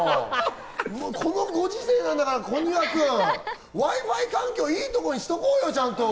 このご時世なんだから、こにわ君、Ｗｉ−Ｆｉ環境いいところにしとこうよ、ちゃんと。